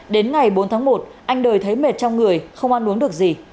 đến ngày bốn tháng một anh đời thấy mệt trong người không ăn uống được gì